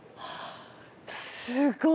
すごい！